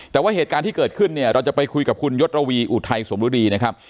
แต่ว่าเหตุการณ์ที่เกิดขึ้นเนี่ยเราจะไปคุยกับคุณยศระวีอุทัยสมรุดีนะครับ